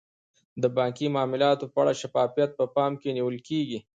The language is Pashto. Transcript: د بانکي معاملاتو په اړه شفافیت په پام کې نیول کیږي.